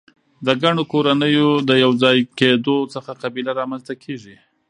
د ګڼو کورنیو د یو ځای کیدو څخه قبیله رامنځ ته کیږي.